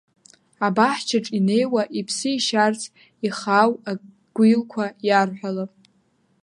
Абаҳчаҿ инеиуа иԥсы ишьарц, ихаау агәилқәа иарҳәалап.